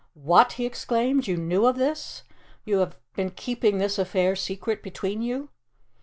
"What!" he exclaimed, "you knew of this? You have been keeping this affair secret between you?"